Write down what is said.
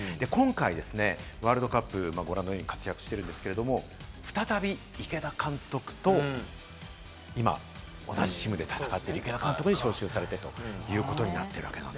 今回のワールドカップ、ご覧のように活躍してるんですけれど、再び池田監督と今、同じチームで戦っている、池田監督に招集されてということになってるわけです。